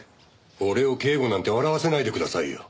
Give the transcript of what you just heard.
俺を警護なんて笑わせないでくださいよ。